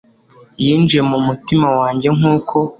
Yinjiye mu mutima wanjye nk'uko